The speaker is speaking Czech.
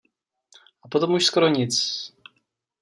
A potom už skoro nic.